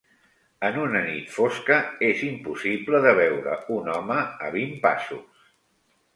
En una nit fosca és impossible de veure un home a vint passos.